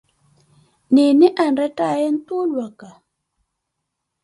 Nini eni enrettaaye ntuulwaka?